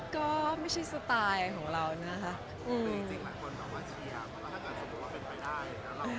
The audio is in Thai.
ก็ไม่ใช่สไตล์ของเรานะครับ